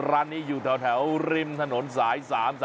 ร้านนี้อยู่แถวริมถนนสาย๓๓